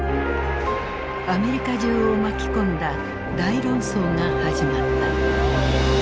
アメリカ中を巻き込んだ大論争が始まった。